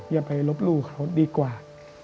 อย่าไปลบหลู่เขาดีกว่า